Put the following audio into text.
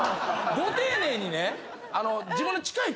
ご丁寧にね。